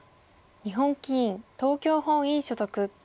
日本棋院東京本院所属。